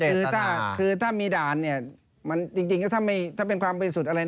คือถ้ามีด่านจริงก็ถ้าเป็นความบริสุทธิ์อะไร